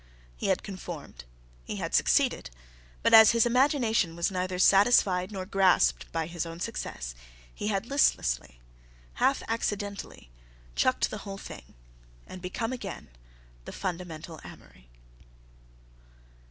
He had conformed, he had succeeded, but as his imagination was neither satisfied nor grasped by his own success, he had listlessly, half accidentally chucked the whole thing and become again: 6. The fundamental Amory.